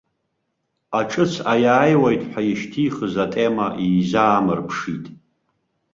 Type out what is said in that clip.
Аҿыц аиааиуеит ҳәа ишьҭихыз атема изаамырԥшит.